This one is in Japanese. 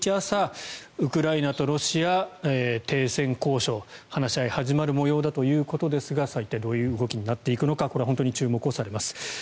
朝ウクライナとロシア停戦交渉、話し合いが始まる模様ということですがさあ、一体どういう動きになっていくのかこれは本当に注目されます。